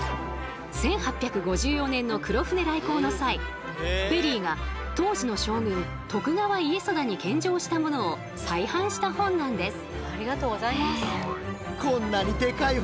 １８５４年の黒船来航の際ペリーが当時の将軍徳川家定に献上したものを再版した本なんです。